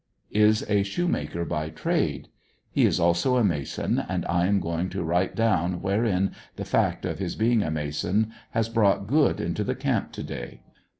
Is a shoemaker by trade. He is also a Mason, and I am going to write down wherein the fact of his being a Mason has brought good into the camp to day.